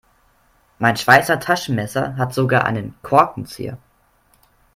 Mein Schweizer Taschenmesser hat sogar einen Korkenzieher.